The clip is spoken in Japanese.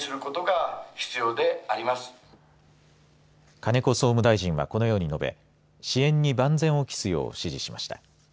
金子総務大臣は、このように述べ支援に万全を期すよう指示しました。